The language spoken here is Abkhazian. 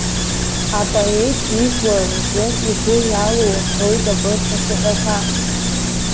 Апоет ижәлар рзы игәы иалоу рҳәоит абарҭ ацәаҳәақәа.